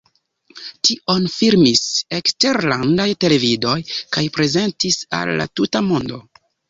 Tion filmis eksterlandaj televidoj kaj prezentis al la tuta mondo.